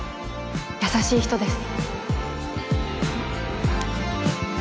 優しい人です